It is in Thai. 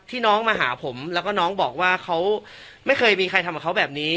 น้องมาหาผมแล้วก็น้องบอกว่าเขาไม่เคยมีใครทำกับเขาแบบนี้